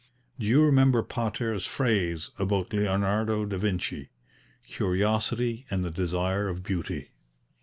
Do you remember Pater's phrase about Leonardo da Vinci, 'curiosity and the desire of beauty'?"